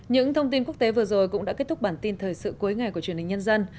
những thông tin quốc tế vừa rồi cũng đã kết thúc bản tin thời sự cuối ngày của truyền hình nhân dân